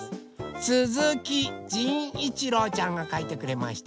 すずきじんいちろうちゃんがかいてくれました。